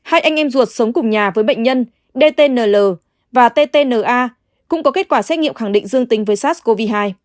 hai anh em ruột sống cùng nhà với bệnh nhân dtnl và ttna cũng có kết quả xét nghiệm khẳng định dương tính với sars cov hai